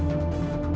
aku mau ke rumah